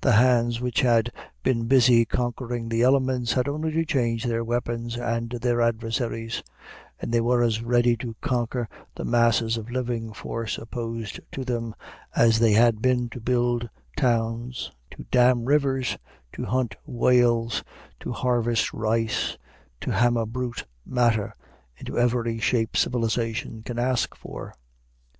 The hands which had been busy conquering the elements had only to change their weapons and their adversaries, and they were as ready to conquer the masses of living force opposed to them as they had been to build towns, to dam rivers, to hunt whales, to harvest ice, to hammer brute matter into every shape civilization can ask for.